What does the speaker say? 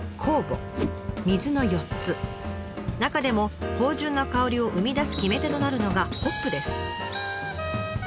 中でも芳醇な香りを生み出す決め手となるのがホップです。